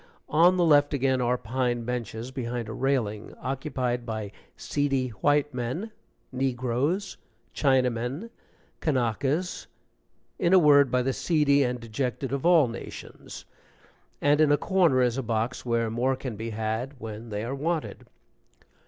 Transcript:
On the left again are pine benches behind a railing, occupied by seedy white men, negroes, Chinamen, Kanakas in a word, by the seedy and dejected of all nations and in a corner is a box where more can be had when they are wanted.